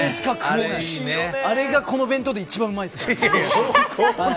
あれがこの弁当で一番うまいです。